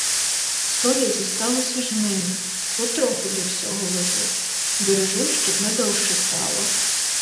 Солі зосталося жменя, — потроху до всього ложу: бережу, щоб надовше стало.